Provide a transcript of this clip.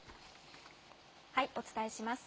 お伝えします。